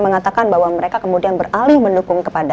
mengatakan bahwa mereka kemudian beralih mendukung kepada